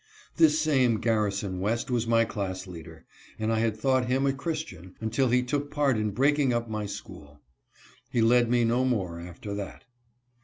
This same Garrison West was my class leader, and I had thought him a Chris tian until he took part in breaking up my school. He led me no more after that.